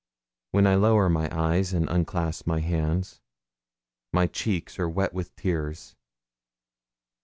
When I lower my eyes and unclasp my hands, my cheeks are wet with tears.